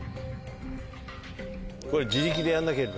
これ自力でやんなければ。